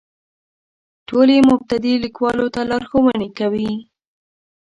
ټول یې مبتدي لیکوالو ته لارښوونې کوي.